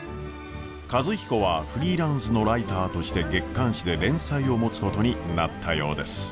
和彦はフリーランスのライターとして月刊誌で連載を持つことになったようです。